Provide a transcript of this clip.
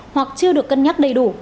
hoặc chưa được cân nhắc đầy đủ